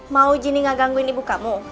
mau gini gak gangguin ibu kamu